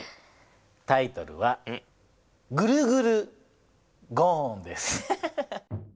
タイトルは「グルグルゴーン」です。